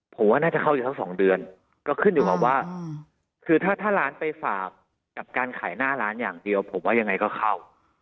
ผมว่าน่าจะเข้าอยู่สัก๒เดือนก็ขึ้นอยู่กับว่าคือถ้าร้านไปฝากกับการขายหน้าร้านอย่างเดียวผมว่ายังไงก็เข้า